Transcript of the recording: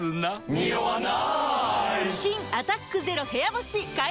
ニオわない！